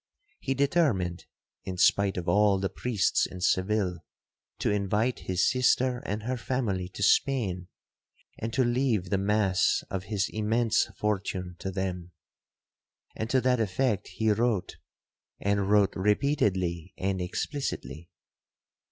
He determined, in spite of all the priests in Seville, to invite his sister and her family to Spain, and to leave the mass of his immense fortune to them; (and to that effect he wrote, and wrote repeatedly and explicitly).